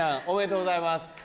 おめでとうございます。